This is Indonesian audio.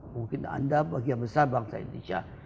mungkin anda bagian besar bangsa indonesia